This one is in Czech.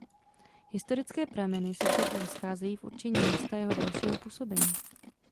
Historické prameny se však rozcházejí v určení místa jeho dalšího působení.